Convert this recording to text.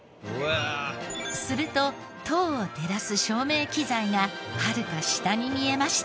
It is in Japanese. すると塔を照らす照明機材がはるか下に見えました。